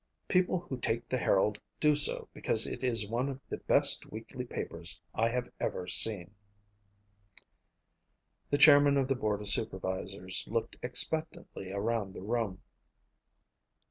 People who take the Herald do so because it is one of the best weekly papers I have ever seen." The chairman of the board of supervisors looked expectantly around the room.